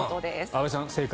安部さん、正解。